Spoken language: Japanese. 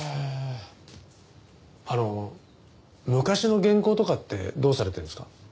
あの昔の原稿とかってどうされてるんですか？